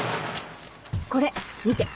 これ見て。